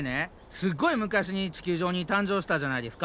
すっごい昔に地球上に誕生したじゃないですか。